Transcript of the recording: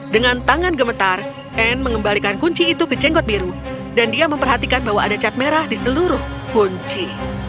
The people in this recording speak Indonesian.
dengan tangan gemetar anne mengembalikan kunci itu ke jenggot biru dan dia memperhatikan bahwa ada cat merah di seluruh kunci